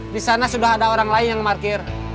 di sana sudah ada orang lain yang parkir